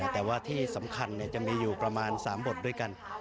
แต่ว่าที่สำคัญจะมีอยู่ประมาณ๓บทด้วยกัน